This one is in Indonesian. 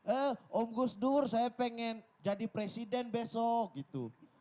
eh om gus dur saya pengen jadi presiden besok gitu